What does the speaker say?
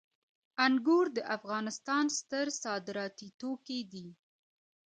انګور د افغانستان ستر صادراتي توکي دي